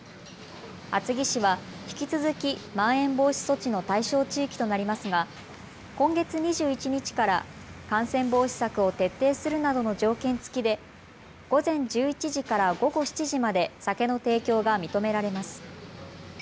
厚木市は引き続きまん延防止措置の対象地域となりますが今月２１日から感染防止策を徹底するなどの条件付きで午前１１時から午後７時まで酒の提供が認められます。